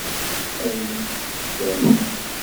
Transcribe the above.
Ad iyi-tt-tefkemt?